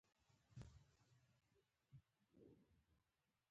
دده د ولسي ترانو او نظمونو پر ځمکه یو شمېر موتیفونه